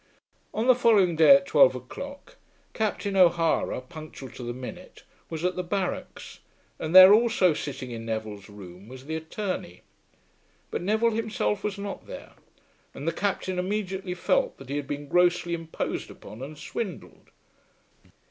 On the following day at twelve o'clock, Captain O'Hara, punctual to the minute, was at the barracks; and there also sitting in Neville's room, was the attorney. But Neville himself was not there, and the Captain immediately felt that he had been grossly imposed upon and swindled.